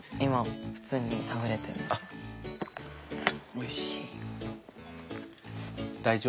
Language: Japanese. おいしい。